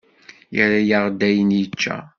Yerra-d ayen i yečča.